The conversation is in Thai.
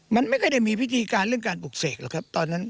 มันไม่ค่อยได้มีพิธีการเรื่องการปลูกเสกหรอกครับตอนนั้น